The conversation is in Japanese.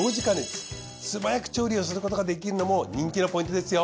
すばやく調理をすることができるのも人気のポイントですよ。